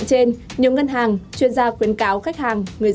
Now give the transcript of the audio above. trước vấn nạn trên nhiều ngân hàng chuyên gia khuyến cáo khách hàng người dân